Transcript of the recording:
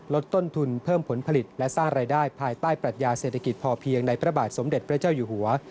ลดต้นทุนเพิ่มผลผลิตและสร้างรายได้ภายใต้ปรัชญาเศรษฐกิจพอเพียงในพระบาทสมเด็จพระเจ้าอยู่หัว